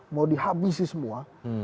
mau dihabisi semua